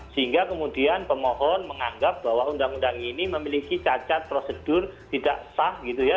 sehingga kemudian pemohon menganggap bahwa undang undang ini memiliki cacat prosedur tidak sah gitu ya